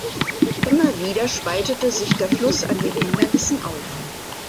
Immer wieder spaltete sich der Fluss an den Hindernissen auf.